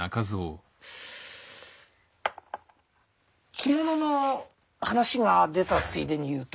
着物の話が出たついでに言うと。